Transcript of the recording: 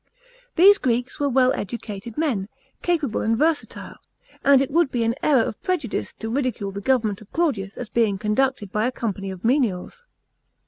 These Greeks were well educated men, capable and versatile ; and it would be an error of prejudice to ridicule the government of Claudius as being conducted by a company of menials.